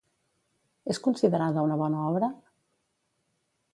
És considerada una bona obra?